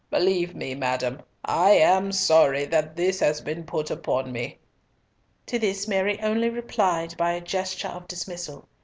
Believe me, madam, I am sorry that this has been put upon me." To this Mary only replied by a gesture of dismissal.